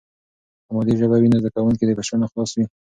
که مادي ژبه وي، نو زده کوونکي د فشار نه خلاص وي.